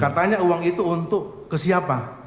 katanya uang itu untuk ke siapa